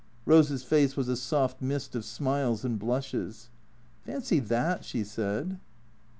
Rose's face was a soft mist of smiles and blushes. " Fancy that," she said.